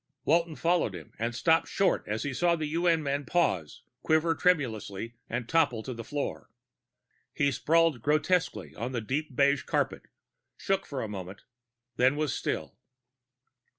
Walton followed him ... and stopped short as he saw the UN man pause, quiver tremulously, and topple to the floor. He sprawled grotesquely on the deep beige carpet, shook for a moment, then was still.